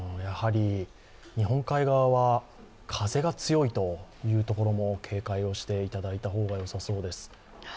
日本海側は風が強いというところも警戒をしていただいた方がよさそうです。